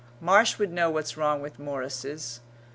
"Marsh would know what's wrong with Morrises